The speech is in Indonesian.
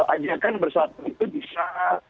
ajakan bersatu itu bisa